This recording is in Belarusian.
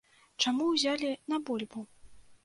Чаму ўзялі на бульбу?